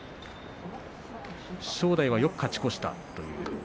正代はよく勝ち越したというところ。